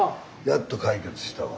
やっと解決したわ。